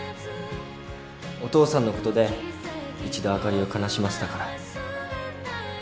お父さんのことで一度あかりを悲しませたから。